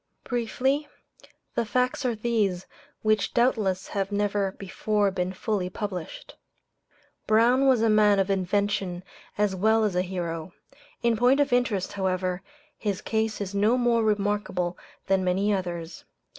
Briefly, the facts are these, which doubtless have never before been fully published Brown was a man of invention as well as a hero. In point of interest, however, his case is no more remarkable than many others.